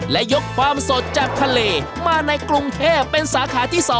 และยกความสดจากทะเลมาในกรุงเทพเป็นสาขาที่๒